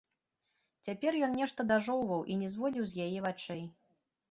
Цяпер ён нешта дажоўваў і не зводзіў з яе вачэй.